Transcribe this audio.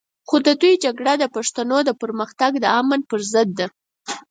خو د دوی جګړه د پښتنو د پرمختګ او امن پر ضد ده.